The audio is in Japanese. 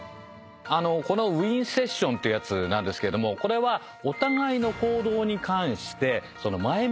このウィンセッションっていうやつなんですけどもこれはお互いの行動に関して前向きな発言だとか褒め合うこと。